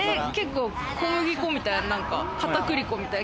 小麦粉みたいな。